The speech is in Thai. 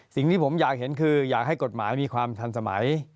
สิ่งที่ผมอยากเห็นคืออยากให้กฎหมายมีความทันสมัย